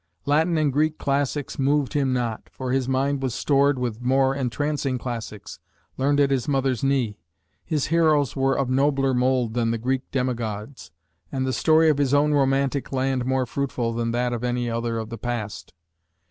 Latin and Greek classics moved him not, for his mind was stored with more entrancing classics learned at his mother's knee: his heroes were of nobler mould than the Greek demigods, and the story of his own romantic land more fruitful than that of any other of the past.